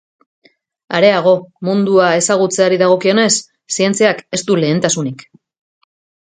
Areago, mundua ezagutzeari dagokionez, zientziak ez du lehentasunik.